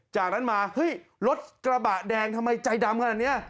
จากนั้นมาเฮ้ยรถกระบะแดงทำไมใจดำขนาดนี้